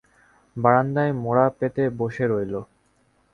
বারান্দায় মোড়া পেতে বসে রইল।